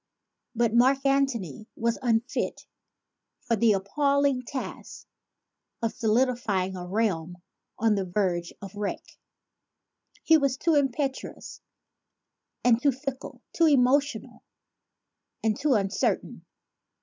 But Mark Antony was unfitted for the appalling task of solidifying a realm on the verge of wreck. He was too impetuous and too fickle, too emotional and too uncertain.